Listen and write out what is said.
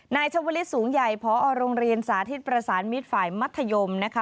นายชวลิศสูงใหญ่พอโรงเรียนสาธิตประสานมิตรฝ่ายมัธยมนะคะ